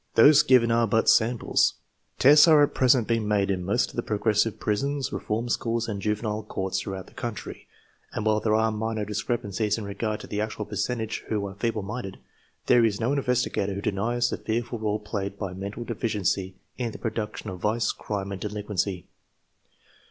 Those given are but samples. Tests are at present being made in most of the progressive prisons, reform schools, and juvenile courts throughout the country, and while there are minor discrep ancies in regard to the actual percentage who are feeble minded, there is no investigator who denies the fearful role played by mental deficiency in the production of vice, crime, and delinquency.